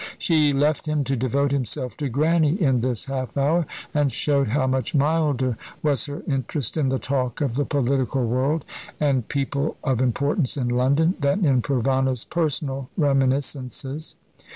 She left him to devote himself to Grannie in this half hour, and showed how much milder was her interest in the talk of the political world, and people of importance in London, than in Provana's personal reminiscences.